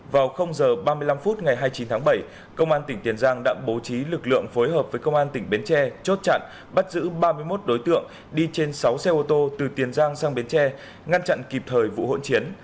vào h ba mươi năm phút ngày hai mươi chín tháng bảy công an tỉnh tiền giang đã bố trí lực lượng phối hợp với công an tỉnh bến tre chốt chặn bắt giữ ba mươi một đối tượng đi trên sáu xe ô tô từ tiền giang sang bến tre ngăn chặn kịp thời vụ hỗn chiến